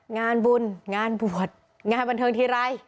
งานบุญงานบวชงานบันเทิงทีไร